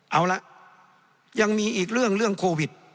เอาละยังมีอีกเรื่องเรื่องโควิด